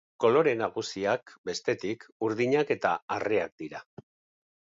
Kolore nagusiak, bestetik, urdinak eta arreak dira.